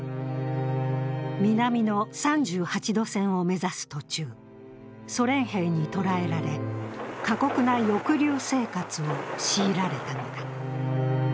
南の３８度線を目指す途中、ソ連兵にとらえられ過酷な抑留生活を強いられたのだ。